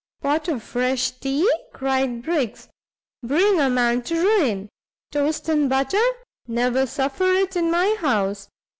"Pot of fresh tea," cried Briggs, "bring a man to ruin; toast and butter! never suffer it in my house.